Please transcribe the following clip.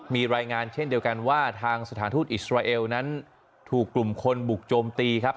มีรายงานเช่นเดียวกันว่าทางสถานทูตอิสราเอลนั้นถูกกลุ่มคนบุกโจมตีครับ